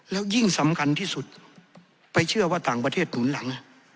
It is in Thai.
แล้วยิ่งสำคัญที่สุดไปเชื่อว่าต่างประเทศหนุนหลัง